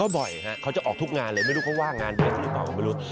บ่อยฮะเขาออกทุกงานเลยไม่รู้ว่างานหนึ่งรึเปล่า